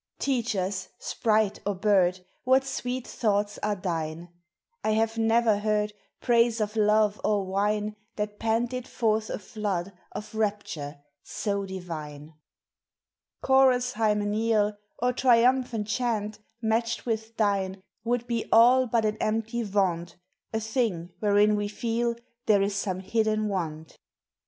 Teach us, sprite or bird, What sweet thoughts are thine; I have never heard Praise of love or wine That panted forth a flood of rapture so divine. Chorus hymeneal, Or triumphant chant, Matched w r ith thine, would be all But an empty vaunt, — A thing wherein we feel there is some hidden want.